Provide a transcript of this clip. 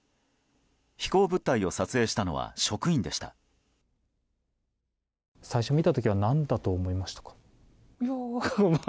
飛行物体を撮影したのは職員でした。